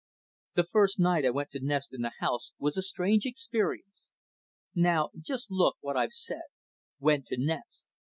The first night I went to nest in the house was a strange experience. Now just look what I've said: "Went to nest."